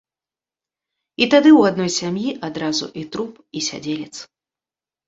І тады ў адной сям'і адразу і труп, і сядзелец.